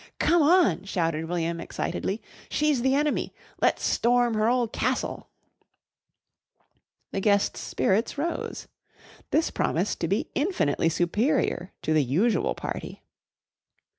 "Come on!" shouted William excitedly. "She's the enemy. Let's storm her ole castle." The guests' spirits rose. This promised to be infinitely superior to the usual party.